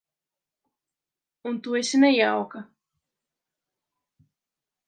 Un tu esi nejauka.